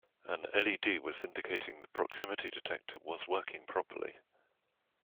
An LED was indicating the proximity detector was working properly.